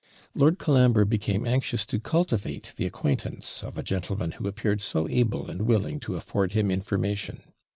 Lord Colambre became anxious to cultivate the acquaintance of a gentleman who appeared so able and willing to afford him information.